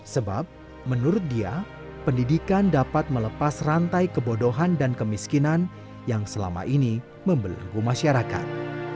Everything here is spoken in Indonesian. sebab menurut dia pendidikan dapat melepas rantai kebodohan dan kemiskinan yang selama ini membelenggu masyarakat